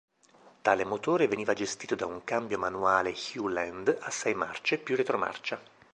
Tale motore veniva gestito da un cambio manuale Hewland a sei marce più retromarcia.